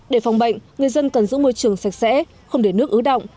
để phòng bệnh người dân cần giữ môi trường sạch sẽ không để nước ứ động